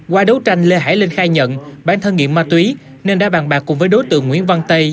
qua đấu tranh lê hải linh khai nhận bản thân nghiện ma túy nên đã bàn bạc cùng với đối tượng nguyễn văn tây